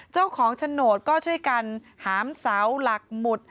เจ้าของฉนดก็ช่วยกันหามเสาหลักหมุด